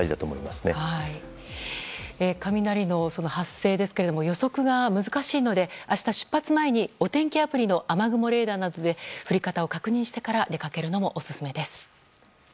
その雷の発生ですが予測が難しいので明日、出発前にお天気アプリの雨雲レーダーなどで降り方を確認してから出かけるのもオススメです。